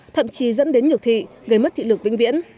thậm chí dẫn đến nhược thị gây mất thị lực vĩnh viễn